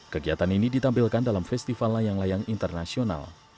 kegiatan ini ditampilkan dalam festival layang layang internasional